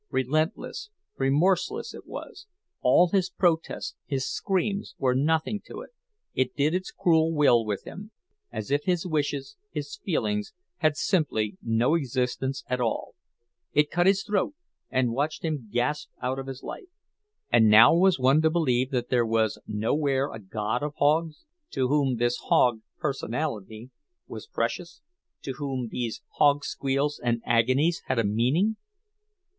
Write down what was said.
Relentless, remorseless, it was; all his protests, his screams, were nothing to it—it did its cruel will with him, as if his wishes, his feelings, had simply no existence at all; it cut his throat and watched him gasp out his life. And now was one to believe that there was nowhere a god of hogs, to whom this hog personality was precious, to whom these hog squeals and agonies had a meaning?